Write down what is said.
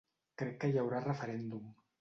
Crec que hi haurà referèndum.